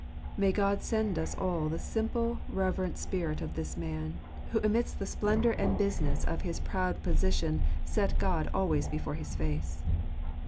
May God send us all the simple reverent spirit of this man, who amidst the spendour and business of his proud posi tion set God always before his face